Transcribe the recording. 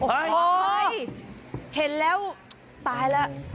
โอ้โหเห็นแล้วตายแล้ว